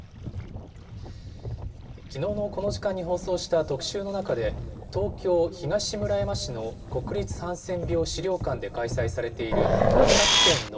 きのうのこの時間に放送した特集の中で、東京・東村山市の国立ハンセン病資料館で開催されている企画展の